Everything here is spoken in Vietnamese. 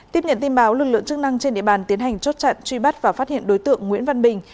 tiếp nhận tin báo lực lượng chức năng trên địa bàn tiến hành chốt chặn truy bắt và phát hiện đối tượng nguyễn văn bình